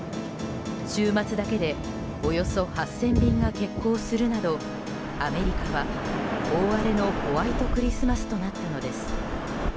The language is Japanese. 週末だけで、およそ８０００便が欠航するなどアメリカは大荒れのホワイトクリスマスとなったのです。